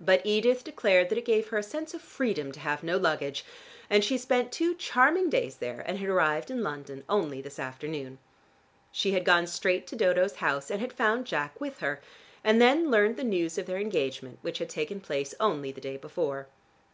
But Edith declared that it gave her a sense of freedom to have no luggage, and she spent two charming days there, and had arrived in London only this afternoon. She had gone straight to Dodo's house, and had found Jack with her and then learned the news of their engagement which had taken place only the day before.